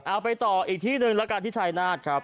เอาไปต่ออีกที่หนึ่งแล้วกันที่ชายนาฏครับ